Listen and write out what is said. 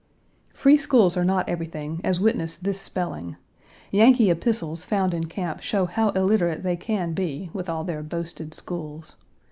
Free schools are not everything, as witness this spelling. Yankee epistles found in camp show how illiterate they can be, with all their boasted schools.